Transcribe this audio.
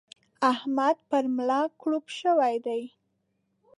احمد پر ملا کړوپ شوی دی.